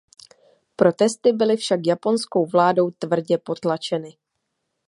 Protesty byly však japonskou vládou tvrdě potlačeny.